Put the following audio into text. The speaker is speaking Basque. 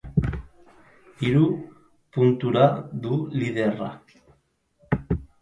Hiru puntura du liderra.